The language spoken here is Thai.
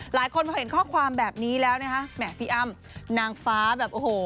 หลายคนพอเห็นข้อความแบบนี้แล้วนะคะแหมพี่อ้ำนางฟ้าแบบโอ้โห